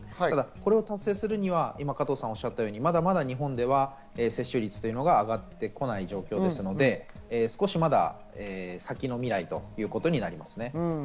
これを達成するには加藤さんがおっしゃったように、まだまだ日本では接種率というのが上がってこない状況ですので、少しまだ先の未来ということになりますね。